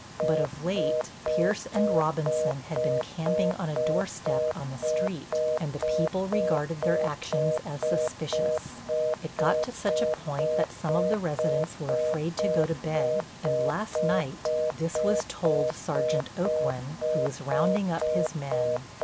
But of late Pierce and Robinson had been camping on a door step on the street, and the people regarded their actions as suspicious. It got to such a point that some of the residents were afraid to go to bed, and last night this was told Sergeant Aucoin, who was rounding up his men.